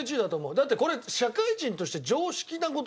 だってこれ社会人として常識な事じゃない。